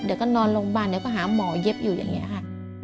เดี๋ยวก็นอนโรงพยาบาลเดี๋ยวก็หาหมอเย็บอยู่อย่างนี้ค่ะ